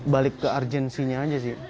balik ke urgensinya aja sih